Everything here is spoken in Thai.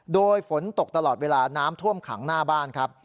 โดยฝนตกตลอดเวลาน้ำท่วมขังหน้าบ้านครับ